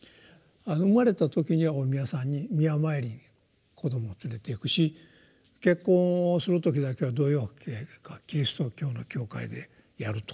生まれた時にはお宮さんにお宮参りに子どもを連れていくし結婚をする時だけはどういうわけかキリスト教の教会でやると。